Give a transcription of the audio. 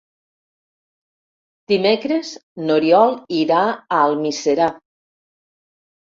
Dimecres n'Oriol irà a Almiserà.